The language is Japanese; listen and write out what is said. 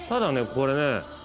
これね